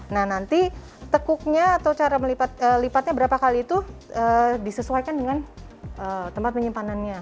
nah nanti tekuknya atau cara melipatnya berapa kali itu disesuaikan dengan tempat penyimpanannya